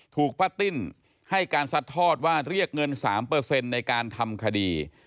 ถูกป้าติ้นให้การสัดทอดว่าเรียกเงิน๓เปอร์เซ็นต์ในการทำคดี